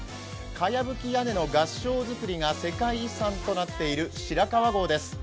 かやぶき屋根の合掌造りが世界遺産となっている白川郷です。